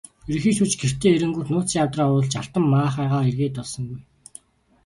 Ерөнхий шүүгч гэртээ ирэнгүүт нууцын авдраа уудалж алтан маахайгаа эрээд олсонгүй.